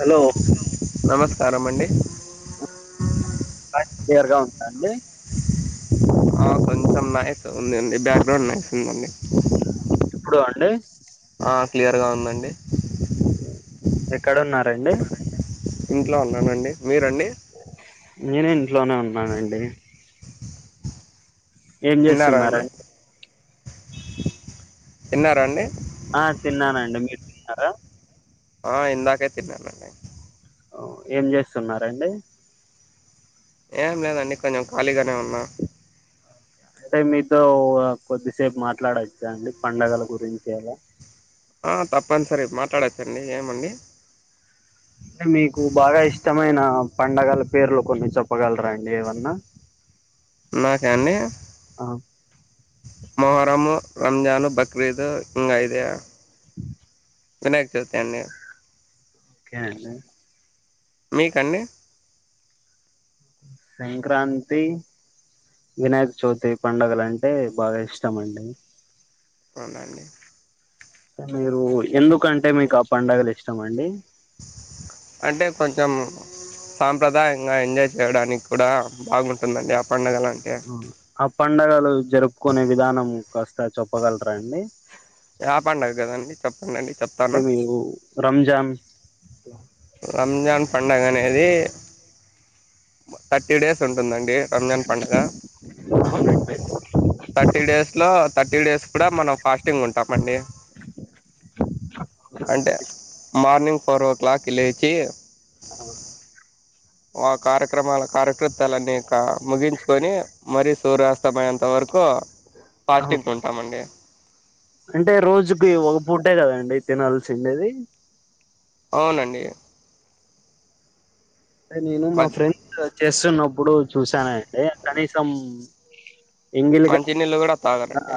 Hello నమస్కారం అండి ఆ వాయిస్ క్లియర్ గా ఉందా అండి ఆ, కొంచెం నాయిస్ ఉందండి బ్యాక్గ్రౌండ్ నాయిస్ ఉందండి ఇప్పుడు అండి ఆ, క్లియర్గా ఉందండి ఎక్కడున్నారండి ఇంట్లో ఉన్నానండి మీరండి నేను ఇంట్లోనే ఉన్నానండి ఏం తిన్నారా చేస్తున్నార అండి తిన్నారా అండి ఆ తిన్నానండి మీరు తిన్నారా ఆ ఇందాకే తిన్నానండి ఏం చేస్తున్నారండి ఏం లేదండి కొంచెం ఖాళీగానే ఉన్నా అంటే మీతో కొద్దిసేపు మాట్లాడచ్చా అండి పండగల గురించి అలా ఆ తప్పనిసరి మాట్లాడచ్చండి ఏమండి అంటే మీకు బాగా ఇష్టమైన పండగల పేర్లు కొన్ని చెప్పగలరా అండి ఏవన్నా నాకా అండి మొహరము రంజాను బక్రీదు ఇంగ ఇది వినాయక చవితి అండి ఒకే అండి మీకండి సంక్రాంతి వినాయక చవితి పండగలు అంటే బాగా ఇష్టం అండి అవునా అండి మీరు ఎందుకంటే మీకు ఆ పండగలు ఇష్టం అండి అంటే కొంచెం సాంప్రదాయంగా ఎంజాయ్ చేయడానికి కూడా బాగుంటుందండి ఆ పండుగలు అంటే ఆ పండగలు జరుపుకునే విధానం కాస్ స్త చెప్పగలరా అండి యా పండగ కదండి చప్ అంటే మీవు రంజాన్ స్ల రంజాన్ పండగనేది థర్టీ డేస్ ఉం దండి రంజాన్ పండుగ థర్టీ డేస్ లో థర్టీ డేస్ కూడా మనం ఫాస్ట్ స్టింగ్ వుంటామండి అంటే మార్నింగ్ ఫోర్వో క్లాక్కి లేచి ఆ కార్యక్రమాల కార్యకృత్యాలన్నీ ఇంక ముగించుకొని మరి సూర్యాస్తమఎంత వర్ క్కు ఫాస్టింగ్ ఉంటామండి అంటే రోజుకి ఒక పుటే కదండి తనాల్ సీన్డేది అవునండి అంటే నేను మా మద్ ఫ్రెండ్ చేస్తున్నాప్ ప్పుడు చూసానండి కనీసం ఎంగిలిగా మంచి నీళ్ళు కూడా తాగరండి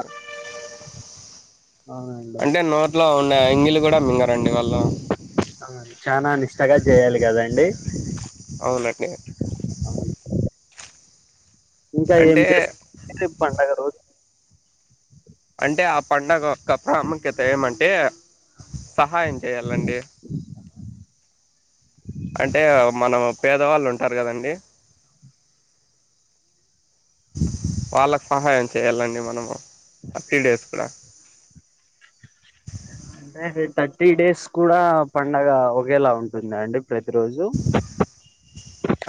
అవునండి అంటే నో ట్లో ఉన్న ఎంగిలి గుడా మింగరండి వాళ్ళు చాలా నిష్టగా చేయాలి కదండి అవునండి అవును ఇంకా ఏం అంటే చేస్త పండగ రోజు అంటే ఆ పండగ యొక్క ప్రాముఖ్యత ఏమంటే సహాయం చేయాలండి అంటే మనం పేదవాళ్ళు ఉంటారు కదండి వాళ్ళకు సహాయం చేయాలండి మనము థర్టీ డేస్ కూడా అంటే థర్టీ డేస్ కూడా పండగ ఒకేలా ఉంటుంద అండి ప్రతిరోజు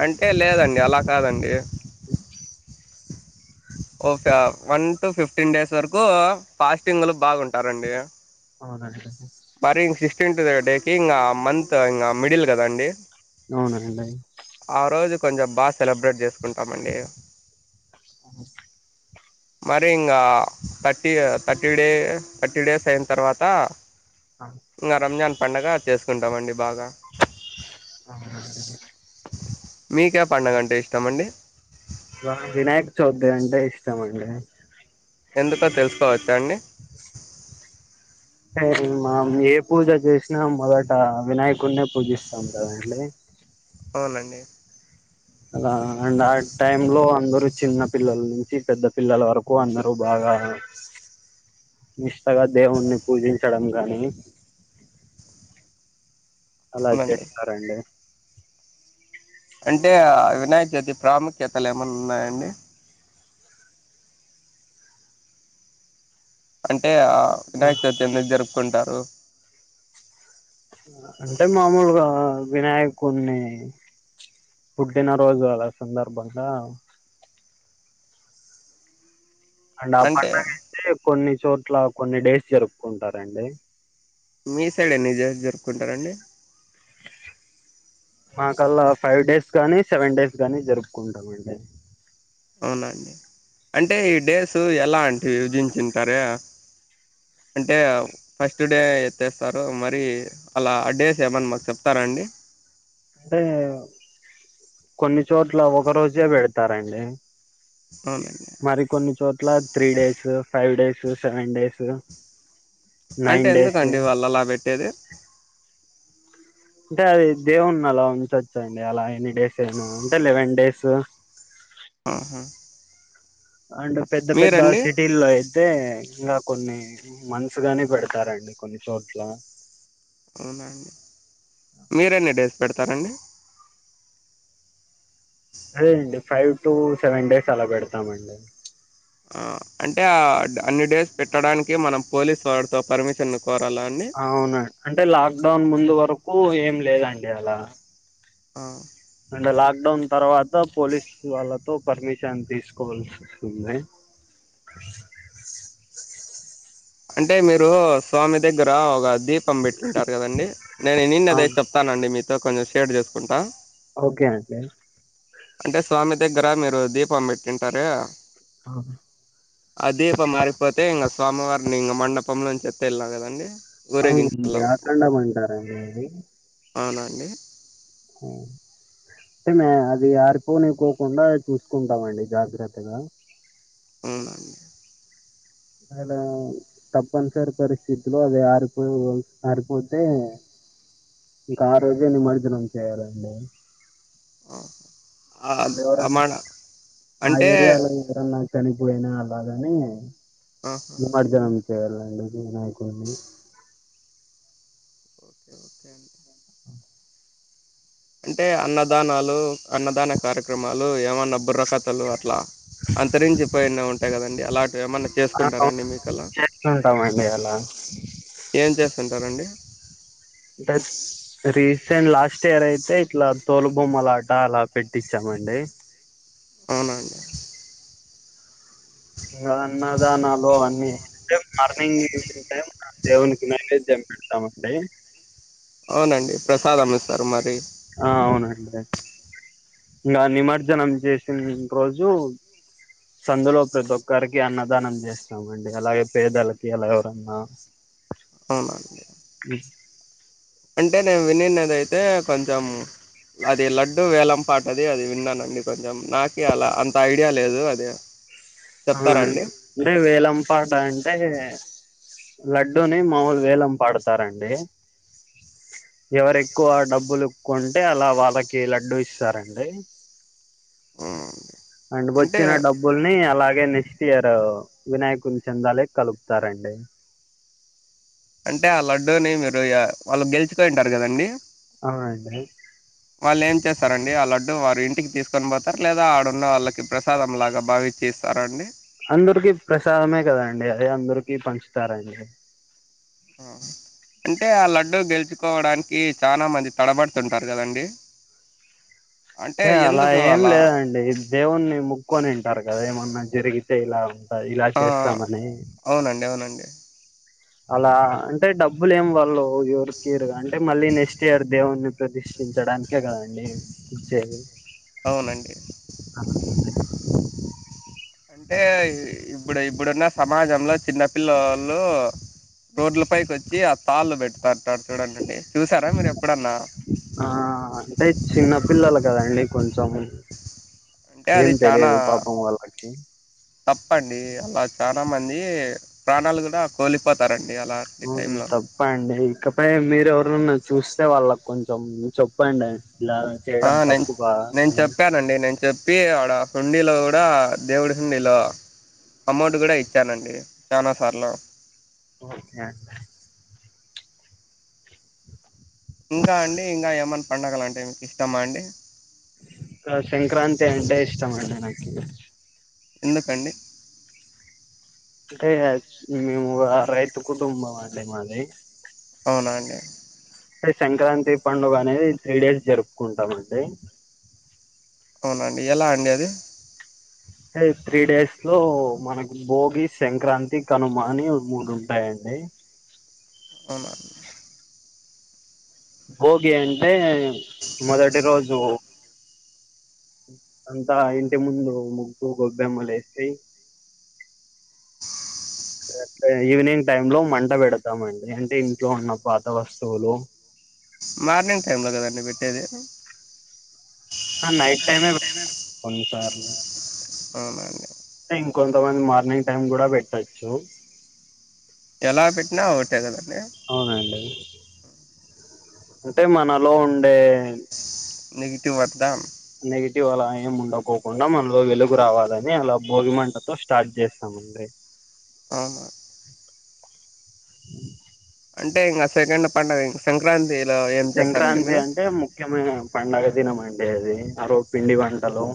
అంటే లేదండి అలా కాదండి ఓక వన్ టు ఫిఫ్టీన్ డేస్ వరకు ఫాస్టింగ్లు బాగుంటారండి అవునండి మరి ఇంగ సిక్స్త్ డే కి ఇంగ మంత్ త్ ఇంగ మిడిల్ కదండి అవునండి ఆ రోజు కొంచెం బాస్ సెలబ్రేట్ చేసుకుంటం అండి మరి ఇంగ పటీ థర్టీ డే థర్టీ డేస్ అయిన తర్వాత త్త రంజన్ పండుగ చేసుకుంటామండి బాగా అవు పండుగంటే ఇష్టం అండి ఎ అంటే ఇష్టమండి ఎందుకో తెలుసుకోవచ్చా అండి సరే మామ్ ఏ పూజ చేసినా మొదట వినాయకుడి నే పూజిస్తాం కదండి అవునండి అలా అండ్ ఆ టైమ్ లో అందరుూ చిన్న పిల్లల నుంచి పెద్ద పిల్లల వరకు అందరూ బాగా త్తగా దేవుణ్ణి పూజించడం కని అలా అవునండి చేస్తారండి అంటే ఆ‌ వినాయక జ్యోతి ప్రాముఖ్యతలు ఏమైన ఉన్నాయండి అంటే ఆ వినాయక చవితి ఎందు జరుపుకుంటా ఓ అంటే మామూలుగా వినాయకుని పుట్టిన రోజుల సందర్భంగా అండ్ ఆ అంటే పండగ అయితే కొన్ని చోట్ల కొన్ని డేస్ జరుపుకుంటారండి మీ సైడ్ ఎన్ని డేస్ జరుపుకుంటారండి మా కల్లా ఫైవ్ డేస్ గానీ సెవెన్ డేస్ గాని జరుపుకుంటామ అండి అవునండి అంటే ఈ డేస్ ఎలా అంటే విభజించింటారు అంటే ఫస్ట్ డే ఎత్తేస్తారు మరి అలా ఆ డేస్ ఏమన్నా చెప్తారా అండి అంటే కొన్ని చోట్ల ఒక రోజే పెడతారండి అవునండి మరి కొన్ని చోట్ల three days five days seven days అంటే నైన్ డేస్ ఎందుకండి వాళ్ళ అలా పెట్టేది అంటే అది దేవున్నలా ఉంచ్ఛొచ్చండి అలా ఎల్లి డేస్ ఏనా అంటె లెవెన్ డేస్ సో అహా అంటే పెద్ద పెద్ద సిటీల్లో అయితే ఇంకా కొన్ని మంత్స్ గానే పెడతారండి కొన్ని చోట్ల అవునా అండి మీరు ఎన్ని డేస్ పెడతారండి అదే అండి ఫైవ్ టూ సెవెన్ డేస్ అలా పెడతామండి ఆ అంటే ఆ అన్ని డేస్ పెట్టడానికి మనం పోలీస్ వాారితో పర్మిషన్ కోరాలా అండి? అవునండి అంటే లాక్డౌన్ ముందు వరకు ఏం లేదండిఅలా ఆ అంటే లాక్ డౌన్ తర్వాత పోలిస్ వాల్లతో పర్మిషన్ తీసుకోవాల్సి వస్తుంది అంటే మీరు స్వామి దగ్గర ఒక దీపం పెట్టింటారు కదండి నేను వినిండే ఆ దయితే చెప్తానండి మీత్ కొంచెం షేర్ చేసుకుంటా ఓకే అండీ అంటే స్వామి దగ్గర మీరు దీపం పెట్టింటారే అదీపము ఆరిపోతే ఇంగ స్వామి వారు గ మండపంంలోంచి తెల్లా కదండి ఆవును బ్యాకందము అంటార అండి అదీ అవునా అండి ఆ అంటే అది ఆరిపోనీ కుండా చూసుకుంటామండి జాగ్రత్తగా అవునా అండి అలా తప్పనిసరి పరిస్థితులు అది ఆరిపో ఆరిపోతే ఇంకా ఆ రోజే నిమజ్జనం చేయాలండి ఆ! ఆహ్, అండేవార ఆ మడ ఆ అంటే ఏరియాలో ఎవరన్నా చనిపోయినా పధ ని ఆహా! నువు మధ్యాహ్నం చేయాలా లాగినయి కోన్ని ఓకే ఓకే అండి అంటే అన్నదానాలు అన్నదాన కార్యక్రమాలు ఏమన్నా బుర్రకథలు అట్లా అంతరించిపోయినవి ఉం టాయి కదండీ అలా ఏమన్నా ఆ, అవును, చేసుకుంటారాండి మీకలా చేస్తుంటామండి అలా ఏం చేస్తుంటారండి ఇంకా రీసెంట్ లాస్ట్ ఇయర్ అయితే ఇట్లా తోలు బొమ్మలాట అలా పెట్టించామండి అవున అండి ఇంకా అన్నదానాలు అవన్నీ సేమ్ మార్నింగ్ ఈవినింగ్ టైం దేవునికి నైవేద్యం పెడుతమండి అవునండి ప్రసాదం మిస్తారు మ ఆ అవునండి ఇగ నిమజ్జనం చేసిన రోజు సందులో ప్రతి ఒక్కరికి అన్నదానం చేస్తామండి అలాగే పేదలకి ఎలా ఎవరన్నా అవునా అ అంటే నేను వినిన్నదయితే కొంచెం అది లడ్డు వేలం పాటది అది విన్నానండి కొంచెం నాకె అలా అంత ఐడియా లేదు అది ఆవునా అండి అంటే వేలం పాట అంటే లడ్డూని మావొళ్ళు వేలం పాడతారండి ఎవరు ఎక్కువ డబ్బులు కొంటే అలా వాళ్ళకి లడ్డూ ఇస్తారండి అవునా అండి. అండ్ అంటే వచ్చి న డబ్బు ని అలాగే నెక్స్ట్ ఇయర్ వినాయకుని చెందాలేకి కలుపుతారంండి అంటే ఆ లడ్డూని మీరు వాళ్ళు గెలుచుకుని ఉంటారు కదండి అవునండీ వాళ్ళు ఏం చేస్తారండి ఆ లడ్డు వారు ఇంటికి తీసుకొని పోతారు లేదా ఆడున్న వాళ్ళకి ప్రసాదం లాగా బావిచ్చి ఇస్తారండి కి పంచుతారండి ఆ అంటే ఆ లడ్డూ గెలుచుకోవడానికి చాలా మంది తడబడుతుంటారు కదండి అంటే అలా ఏం లేదండి దేవుణ్ణి ముక్క్కొనింటారు కదా ఏమన్నా జరిగి చేయల ఆ అవునండి అవునండి అలా అంటే డబ్బులు ఏం వెళ్ళవ్ ఓ యువరి తీరుగా అంటే మళ్ళీ నెక్స్ట్ ఇయర్ దేవు్న్ని ప్రతిష్ఠించడానికే కదండి వచ్చేది అవునండి అండి. అంటే ఇప్పుడు అయి ఇప్పుడున్న సమాజంలో చిన్న పిల్లలు రోడ్ల పైకి వచ్చి ఆ తాళ్ళు పెడుతంటడు చూడండిండి చూసారా మీరు ఎప్పుడన్నా ఆ అంటే చిన్న పిల్లలు కదండి కొంచెం అంటే ఏం అది చనాా తెలియదు పాపం వాళ్ళకి తప్పండి అలా చాల చాలా మంది ప్రాణాలు కూడా కోలిపోతారండి తప్ప అండి ఇంకపై మీర ఎవరున్నా చూస్త అే వాళ్ళ కొంచెం చెప్పండి ఇలా ఆ చేయడం నేను తక్ప్పు బ నేను అని చెప్పానండి నేను చెప్పి ఆడ హుండీలో కూడా దేవుడి హుండీలో అమౌంట్ కూడా ఇచ్చానండి చాలా సార్లు ఒకే ఇంకా అండి ఇంకా ఏమన్నా పండుగలు అంటే మీకు ఇష్టమా అండి ఇ సంక్రాంతి అంటే ఇష్టం అండి నాకు ఎందుకండి అంటే మేము రైతు కుటుంబం అండి మాది అవునా అండి అంటే సంక్రాంతి పండుగ అనేది త్రీ డేస్ జరుపుకుంటామ అండి ఎలా అండి అది అ త్రీ డేస్ లో మనకు భోగి సంక్రాంతి కనుమ అని మూడు ఉంటాయంండి అవునా భోగి అంటే మొదటి రోజు అంతా ఇంటి ముందు ముగ్గు గొబ్బెమ్మలు వేసి ఈవినింగ్ టైమ్ లో మంట పెడతామండి అంటే ఇంట్లో ఉన్న పాత వస్తువులు మార్నింగ్ టైమ్ లో కదండి పెట్టేది నైట్ టైమే కొని సార్లు అవునండి ఇంకొంతమంది మార్నింగ్ టైమ్ కూడా పెట్టచ్చు ఎలా పెట్టినా ఓకటే కదండి అవునండి అంటే మనలో ఉండే నగిేటివ వ దా నెగిటివ్ అలా ఏం ఉండకోకుండా మనలో వెలుగు రావాలని అలా భోగి మంటతో స్టార్ట్ చేస్తామండి ఆ అ అంటే ఇంకా సఖండ పడుగ సంక్రాంతి సంక్రాంతి అంటే ముఖ్యమైన పండుగ తినం అండి అది మరో పిండి వంటలు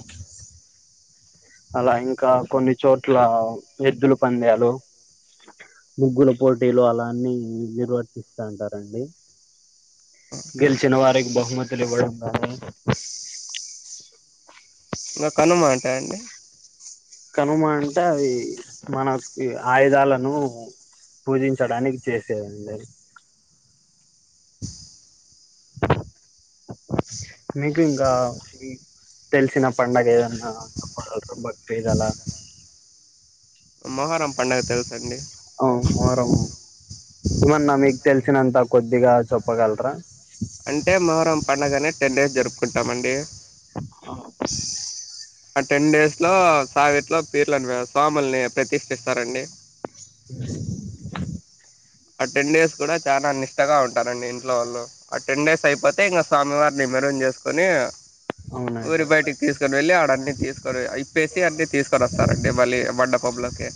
అలా ఇంకా కొన్ని చోట్ల ఎద్దుల పంద్యాలు, ముగ్గుల పోటీలు, అలాన్ని నిర్వర్తిస్తాంటారండి గెలిచిన వారికి బహుమతులు ఇవ్వడం కానీ ఇంకా కనుమా రండి కనుమ అంటే అవి మనకి ఆయుధాలను పూజించడానికి చేసేదండి మీకు ఇంకా ఇ తెలిసిన పండుగ ఏదన్న [unintelligible] మొహరం పండుగ తెలుసు అండి అవు మొహరం ఇవన మీకు తెల్సినంతా కొద్దిగా చొప్పగల్రా అంటే మొహరం పండగ అని టెన్ డేస్ జరుపుకుంటాం అండి టెన్ డేస్ లో సావిత్రలో పీర్లను స్వాముల్ని ప్రతిష్ఠిస్తారండి ఆ టెన్ డేస్ కూడా చాలా నిష్టగా ఉంటారండి ఇంట్లో వాళ్ళు, ఆ టెన్ డేస్ అయిపోతే ఇంకా స్వామివారిని మరన్ చేసుకుొని అవునండి ఊరి బయటికి తీసుకొని వెళ్ళి, ఆడన్ని తీసుకొని ఇప్పేసి అన్ని తీసుకొని వస్తారండి, మళ్ళీ మండపలకి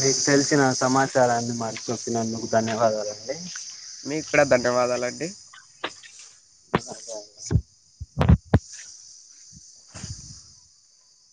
మీకు తెలిసిన సమాచారాన్ని మన చూసినందుకు ధన్యవాదాలండి మీ కూడా దం ధన్యవాదాలండి